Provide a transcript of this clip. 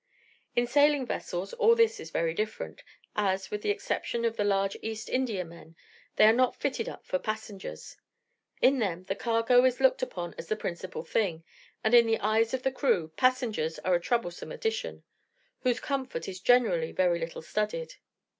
In sailing vessels all this is very different, as, with the exception of the large East Indiamen, they are not fitted up for passengers. In them the cargo is looked upon as the principal thing, and in the eyes of the crew passengers are a troublesome addition, whose comfort is generally very little studied.